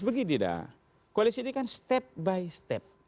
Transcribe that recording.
begini dah koalisi ini kan step by step